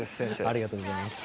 ありがとうございます。